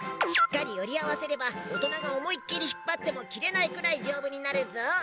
しっかりよりあわせればおとながおもいっきりひっぱってもきれないくらいじょうぶになるぞ。